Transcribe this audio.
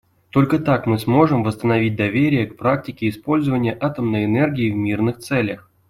Только так мы сможем восстановить доверие к практике использования атомной энергии в мирных целях.